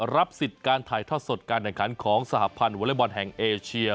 รับสิทธิ์การถ่ายทอดสดการแข่งขันของสหพันธ์วอเล็กบอลแห่งเอเชีย